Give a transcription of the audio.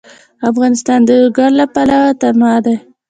افغانستان د لوگر له پلوه متنوع دی.